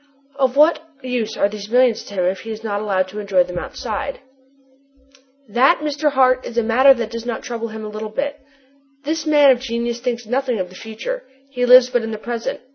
"Of what use are these millions to him if he is not allowed to enjoy them outside?" "That, Mr. Hart, is a matter that does not trouble him a little bit! This man of genius thinks nothing of the future: he lives but in the present.